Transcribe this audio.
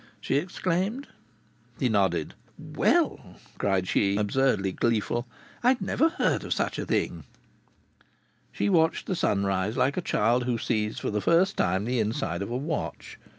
she exclaimed. He nodded. "Well!" cried she, absurdly gleeful, "I never heard of such a thing!" She watched the sunrise like a child who sees for the first time the inside of a watch.